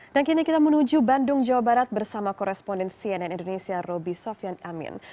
dan kini kita menuju bandung jawa barat bersama koresponden cnn indonesia roby sofyan amin